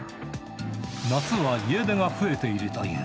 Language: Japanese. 夏は家出が増えているという。